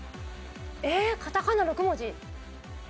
えっカタカナ６文字？